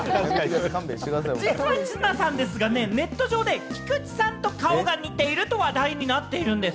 実は綱さん、ネット上で菊池さんと顔が似ていると話題になっているんです。